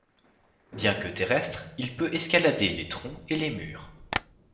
Bien que terrestre, il peut escalader les troncs et les murs.